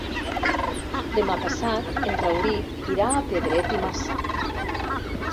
Demà passat en Rauric irà a Pedret i Marzà.